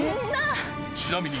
ちなみに。